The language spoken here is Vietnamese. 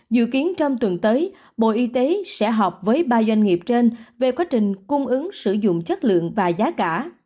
dự kiến trong tuần tới bộ y tế sẽ họp với ba doanh nghiệp trên về quá trình cung ứng sử dụng chất lượng và giá cả